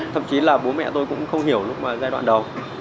thậm chí là bố mẹ tôi cũng không hiểu lúc giai đoạn đầu